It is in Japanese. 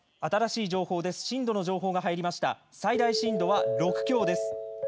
最大震度は６強です。